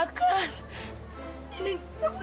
sudah satu minggu belum makan